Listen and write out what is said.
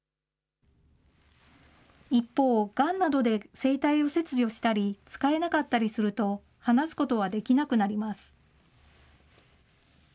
一方、がんなどで声帯を切除したり使えなかったりすると、話すことはできなくなります。